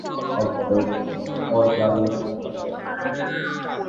তাতে শয়তান ও বনী আদমের হিংসা বিদ্যমান থাকে।